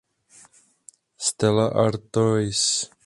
Stella Artois.